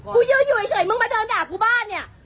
กูยืนอยู่เฉยมึงมาเดินด่ากูบ้านเนี่ย